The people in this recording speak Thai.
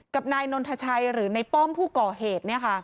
กับนายนนทชัยหรือในป้อมผู้ก่อเหตุ